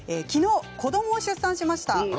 きのう、子どもを出産しました。